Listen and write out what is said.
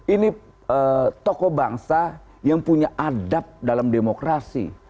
ini tokoh bangsa yang punya adab dalam demokrasi